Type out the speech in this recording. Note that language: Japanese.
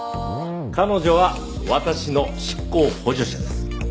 彼女は私の執行補助者です。